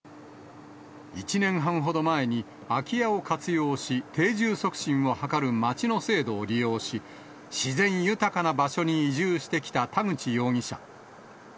１年半ほど前に空き家を活用し、定住促進を図る町の制度を利用し、自然豊かな場所に移住してきた田口容疑者。